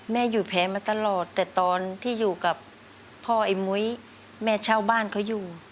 อยู่แผลมาตลอดแต่ตอนที่อยู่กับพ่อไอ้มุ้ยแม่เช่าบ้านเขาอยู่